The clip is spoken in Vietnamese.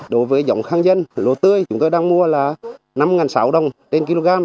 đối với giống khang dân lúa tươi chúng tôi đang mua là năm sáu trăm linh đồng trên kg